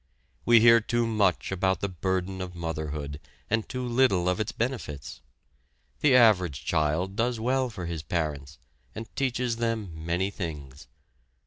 We hear too much about the burden of motherhood and too little of its benefits. The average child does well for his parents, and teaches them many things.